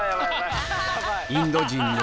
インド人の